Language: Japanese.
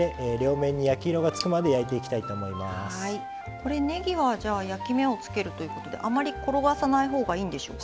これねぎはじゃあ焼き目をつけるということであまり転がさないほうがいいんでしょうか？